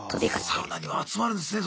サウナには集まるんですね